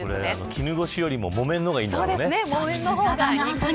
絹ごしよりも木綿の方がいいんだろうね。